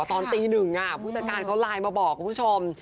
ตอนตีหนึ่งผู้จัดการเขาไลน์มาบอกคุณผู้ชม